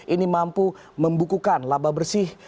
ini mampu membukukan laba bersih